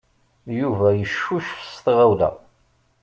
Yuba yeccucef s tɣawla.